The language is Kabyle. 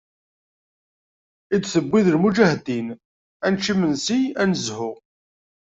I d-tewwi d lmuǧahdin, ad nečč imensi ad nezhu.